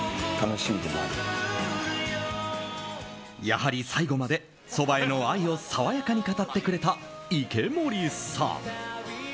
やはり最後までそばへの愛を爽やかに語ってくれた池森さん。